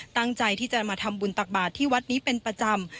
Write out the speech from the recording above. ตั้งใจที่จะมาทำบุญตักบาทที่วัดนี้เป็นประจำ